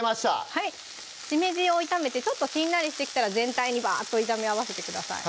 はいしめじを炒めてちょっとしんなりしてきたら全体に炒め合わせてください